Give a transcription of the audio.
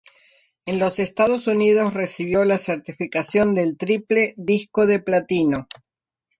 En los Estados Unidos recibió la certificación del triple disco de platino.